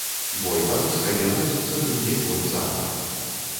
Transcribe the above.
Бой падушкамі ладзіцца другі год запар.